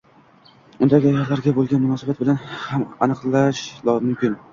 Undagi ayollarga bo'lgan munosabat bilan ham aniqlash mumkin.